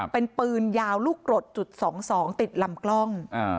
เป็นปืนยาวลูกกรดจุด๒๒ติดลำกล้อง